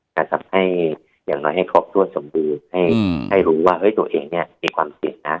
ให้อย่างน้อยให้ครบถ้วนสมบูรณ์ให้รู้ว่าตัวเองเนี่ยมีความเสี่ยงนะ